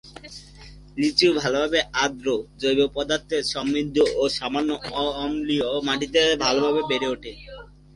লিচু ভালভাবে আর্দ্র, জৈব পদার্থে সমৃদ্ধ ও সামান্য অম্লীয় মাটিতে ভাল ভাবে বেড়ে ওঠে।